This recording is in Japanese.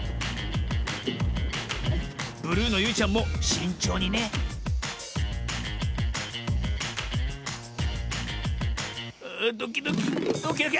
ブルーのゆいちゃんもしんちょうにねドキドキドキドキ。